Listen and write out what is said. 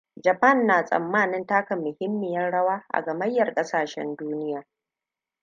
Japan na tsammanin taka muhimmiyar rawa a gamayyar ƙasashen duniya.